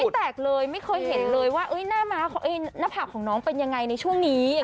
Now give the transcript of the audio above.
แตกเลยไม่เคยเห็นเลยว่าหน้าผากของน้องเป็นยังไงในช่วงนี้